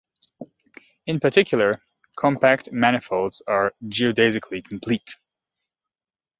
In particular, compact manifolds are geodesically complete.